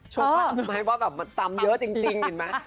โชว์กล้ามไม่ว่าแบบตัมเยอะจริงเห็นไหม